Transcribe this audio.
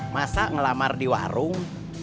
masa ngelamar di warung